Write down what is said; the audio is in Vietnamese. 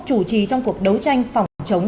chủ trì trong cuộc đấu tranh phòng chống